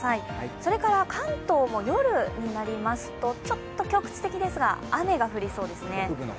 それから関東も夜になりますとちょっと局地的ですが雨が降りそうですね。